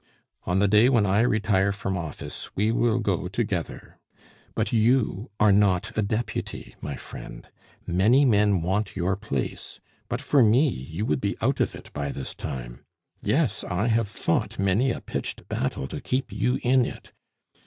On the day when I retire from office, we will go together. But you are not a Deputy, my friend. Many men want your place; but for me, you would be out of it by this time. Yes, I have fought many a pitched battle to keep you in it.